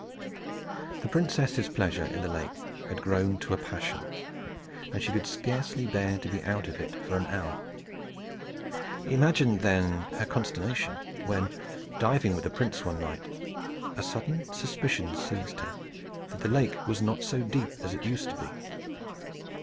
The princess's pleasure in the lake had grown to a passion, and she could scarcely bear to be out of it for an hour. Imagine then her consternation, when, diving with the prince one night, a sudden suspicion seized her that the lake was not so deep as it used to be.